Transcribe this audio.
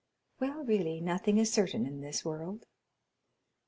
"Well, really, nothing is certain in this world."